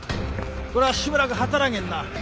これはしばらく働けんな。